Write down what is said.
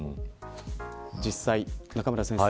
実際、中村先生。